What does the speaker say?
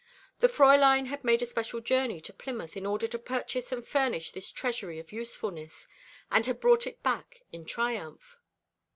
The Fräulein had made a special journey to Plymouth in order to purchase and furnish this treasury of usefulness; and had brought it back in triumph.